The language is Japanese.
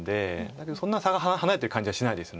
だけどそんな差が離れてる感じはしないです。